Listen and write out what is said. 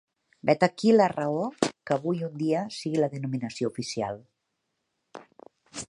Vet aquí la raó que avui en dia sigui la denominació oficial.